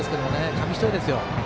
紙一重ですよ。